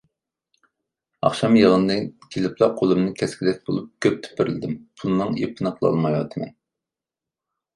ئاخشام يىغىندىن كېلىپلا قولۇمنى كەسكۈدەك بولۇپ كۆپ تېپىرلىدىم، پۇلنىڭ ئېپىنى قىلالمايۋاتىمەن.